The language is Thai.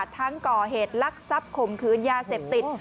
ทั้งก่อเหตุลักษับคมคืนยาเสพติด